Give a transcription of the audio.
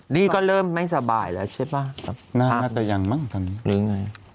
ลี่ก็เริ่มไม่สบายแล้วใช่ป่ะครับน่าจะยังมั้งตอนนี้หรือไง